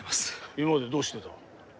今までどうしてた？